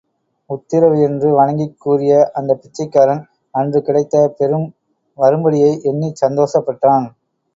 உத்திரவு என்று வணங்கிக் கூறிய அந்தப் பிச்சைக்காரன், அன்று கிடைத்த பெரும் வரும்படியை எண்ணிச் சந்தோஷப்பட்டான்.